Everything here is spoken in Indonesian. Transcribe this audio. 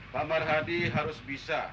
pak marhadi harus bisa